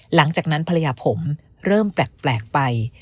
หลังจากนั้นภรรยาผมเริ่มแปลกไป